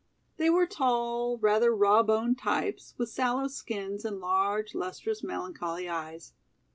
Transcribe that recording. They were tall, rather raw boned types, with sallow skins and large, lustrous, melancholy eyes.